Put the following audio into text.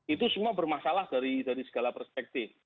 itu semua bermasalah dari segala perspektif